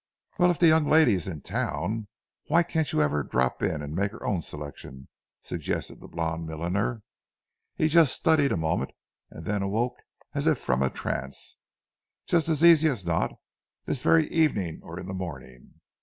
"'Well, if the young lady is in town, why can't you have her drop in and make her own selection?' suggested the blond milliner. He studied a moment, and then awoke as if from a trance. 'Just as easy as not; this very evening or in the morning.